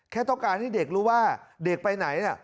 แค่ต้องการให้เด็กรู้ว่าเด็กไปไหน